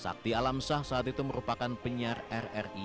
sakti alam syah saat itu merupakan penyiar rri